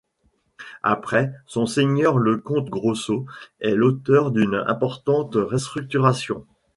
Après, son seigneur le comte Grosso est l'auteur d’une importante restructuration.